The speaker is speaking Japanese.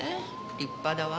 立派だわ。